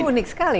ini unik sekali